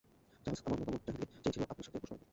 Charles আমার মতামত চেয়েছিল আপনার সাথে বসবার আগে।